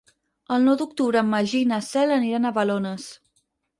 El nou d'octubre en Magí i na Cel aniran a Balones.